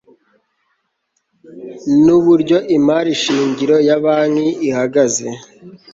n uburyo imari shingiro ya banki ihagaze